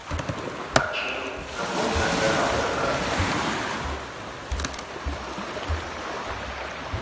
Machine" no podía ser abordado.